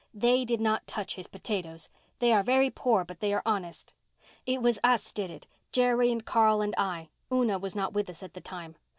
They did not touch his potatoes. They are very poor, but they are honest. It was us did it—Jerry and Carl and I. Una was not with us at the time.